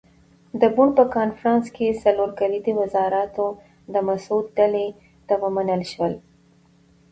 د بُن په کنفرانس کې څلور کلیدي وزارتونه د مسعود ډلې ته ومنل شول.